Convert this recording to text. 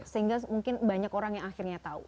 sehingga mungkin banyak orang yang akhirnya tahu